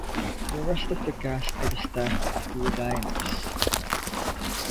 The rest of the cast are the staff at the two diners.